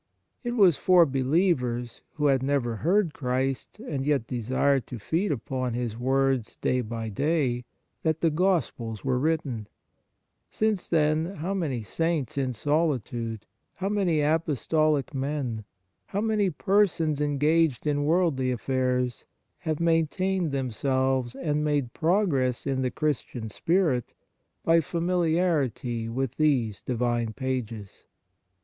It was for believers, who had never heard Christ and yet desired to feed upon His words day by day, that the Gospels were written ; since then, how many Saints in solitude, how many apostolic men, how many persons engaged in worldly affairs, have maintained themselves and made progress in the Christian spirit by familiarity with these divine pages